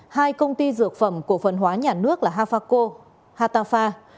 hai công ty dược phẩm của phần hóa nhà nước là havaco hatafa